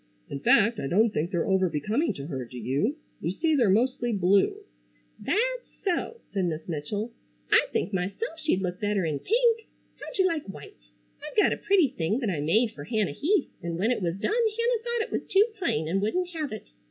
In fact, I don't think they're over becoming to her, do you? You see they're mostly blue——" "That's so!" said Miss Mitchell. "I think myself she'd look better in pink. How'd you like white? I've got a pretty thing that I made fer Hannah Heath an' when it was done Hannah thought it was too plain and wouldn't have it.